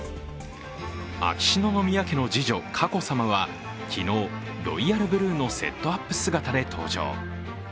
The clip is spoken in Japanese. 秋篠宮家の次女・佳子さまは昨日ロイヤルブルーのセットアップ姿で登場。